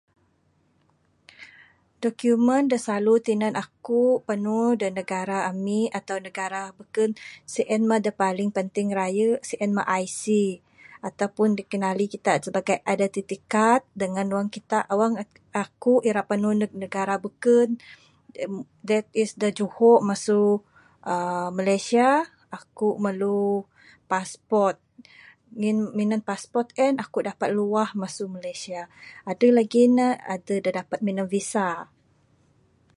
Document da silalu tinan aku da negara ami atau negara da beken sien mah da paling penting raye sien mah IC ataupun dikenali kita sebagai identity card dangan wang kita aku ra panu neg negara beken that is da juho masu Malaysia, aku merlu passport ngin minan passport en aku dapat luah masu Malaysia. Adeh lagi ne adeh da dapat minan visa.